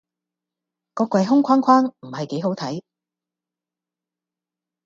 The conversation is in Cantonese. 個櫃空豂豂唔係幾好睇